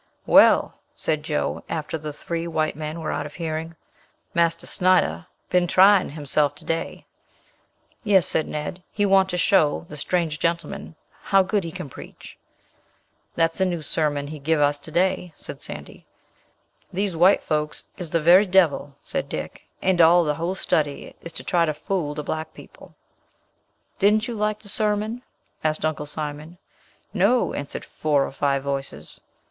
"Well," said Joe, after the three white men were out of hearing, "Marser Snyder bin try hesef to day." "Yes," replied Ned; "he want to show de strange gentman how good he can preach." "Dat's a new sermon he gib us to day," said Sandy. "Dees white fokes is de very dibble," said Dick; "and all dey whole study is to try to fool de black people." "Didn't you like de sermon?" asked Uncle Simon. "No," answered four or five voices.